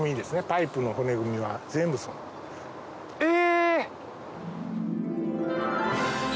パイプの骨組みは。え！